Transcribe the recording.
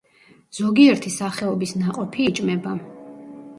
ზოგიერთი სახეობის ნაყოფი იჭმება.